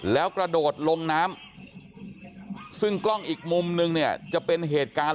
แล้วกระโดดลงน้ำซึ่งกล้องอีกมุมนึงเนี่ยจะเป็นเหตุการณ์